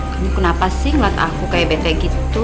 kamu kenapa sih ngeliat aku kayak betek gitu